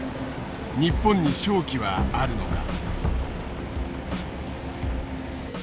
日本に勝機はあるのか。